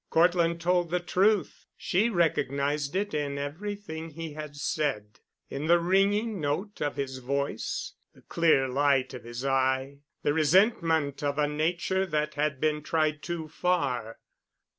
Cortland told the truth, she recognized it in everything he had said, in the ringing note of his voice, the clear light of his eye, the resentment of a nature that had been tried too far.